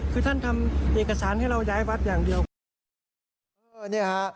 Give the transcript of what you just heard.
คือท่านทำเอกสารให้เราย้ายวัดอย่างเดียวครับ